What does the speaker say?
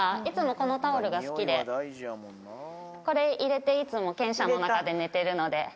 いつもこのタオルが好きでこれ入れていつも犬舎の中で寝てるので。